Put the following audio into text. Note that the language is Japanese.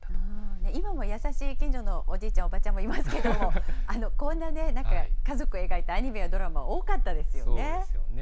今も優しい近所のおじいちゃん、おばちゃんもいますけども、こんな家族を描いたアニメやドラそうですよね。